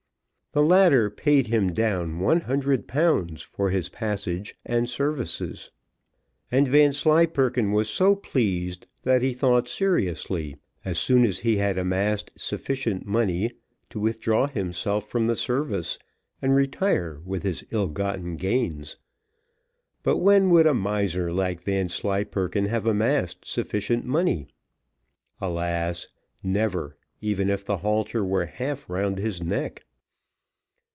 The latter paid him down one hundred pounds for his passage and services, and Vanslyperken was so pleased, that he thought seriously, as soon as he had amassed sufficient money, to withdraw himself from the service, and retire with his ill gotten gains; but when would a miser like Vanslyperken have amassed sufficient money? Alas! never, even if the halter were half round his neck.